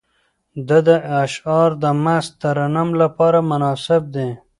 د ده اشعار د مست ترنم لپاره مناسب دي.